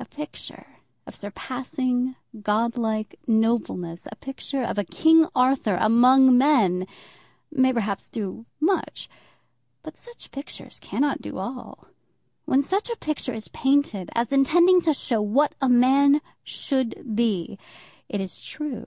A picture of surpassing godlike nobleness, a picture of a King Arthur among men, may perhaps do much. But such pictures cannot do all. When such a picture is painted, as intending to show what a man should be, it is true.